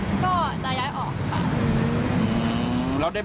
แล้วได้บอกกับพ่อแม่ข้าวแม่ว่าไงจ๊ะ